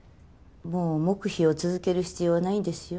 もう黙秘を続ける必要はないですよ。